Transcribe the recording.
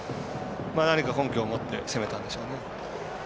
何か根拠を持って攻めたんでしょうね。